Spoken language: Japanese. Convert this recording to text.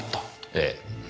ええ。